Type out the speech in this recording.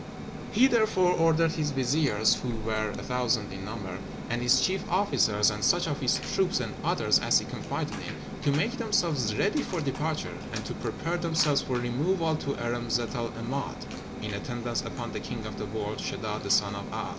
"'He therefore ordered his viziers, who were a thousand in number, and his chief officers, and such of his troops and others as he confided in, to make themselves ready for departure, and to prepare themselves for removal to Irem Zat el 'Emád, in attendance upon the king of the world, Sheddád, the son of 'A'd.